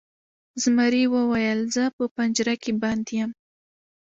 زمري وویل چې زه په پنجره کې بند یم.